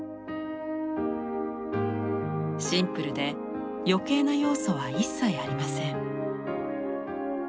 シンプルで余計な要素は一切ありません。